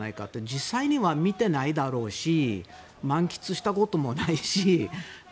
実際には見てないだろうし満喫したこともないし。